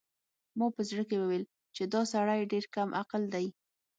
ما په زړه کې وویل چې دا سړی ډېر کم عقل دی.